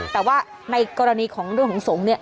แต่ว่าในกรณีของเรื่องของสงฆ์เนี่ย